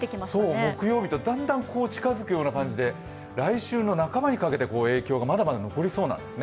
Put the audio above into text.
木曜日とだんだん近づくような感じで来週の半ばにかけて影響がまだまだ残りそうなんですね。